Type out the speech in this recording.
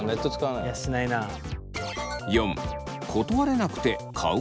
いやしないな。